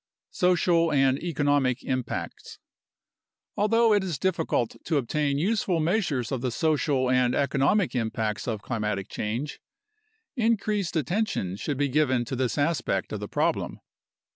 Social and Economic Impacts Although it is difficult to obtain useful measures of the social and eco nomic impacts of climatic change, increased attention should be given to this aspect of the problem.